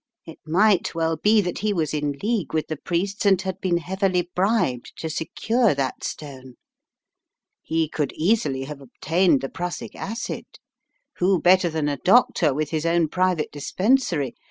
It might well be that he was in league with the priests and had been heavily bribed to secure that stone. He could easily have obtained the prussic acid; who better than a doctor with his own private dispensary?